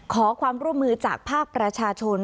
ขอความร่วมมือจากภาคประชาชน